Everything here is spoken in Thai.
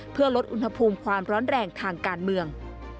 เพื่อลดอุณหภูมิความร้อนแรงทางการเมือง